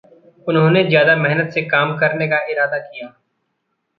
उन्होंने ज़्यादा मेहनत से काम करने का इरादा किया।